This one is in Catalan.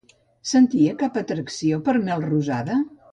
Sentia cap atracció per Melrosada?